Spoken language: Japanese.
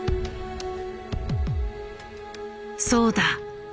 そうだ。